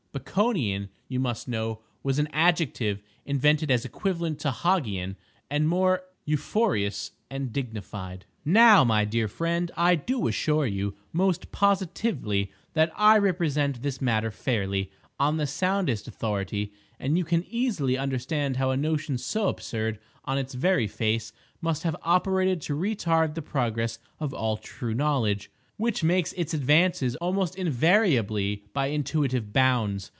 "Baconian," you must know, was an adjective invented as equivalent to Hog ian and more euphonious and dignified. Now, my dear friend, I do assure you, most positively, that I represent this matter fairly, on the soundest authority; and you can easily understand how a notion so absurd on its very face must have operated to retard the progress of all true knowledge—which makes its advances almost invariably by intuitive bounds.